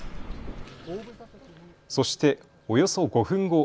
そしておよそ５分後。